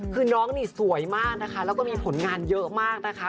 คือน้องนี่สวยมากนะคะแล้วก็มีผลงานเยอะมากนะคะ